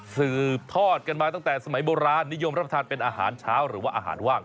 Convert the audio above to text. สืบทอดกันมาตั้งแต่สมัยโบราณนิยมรับประทานเป็นอาหารเช้าหรือว่าอาหารว่าง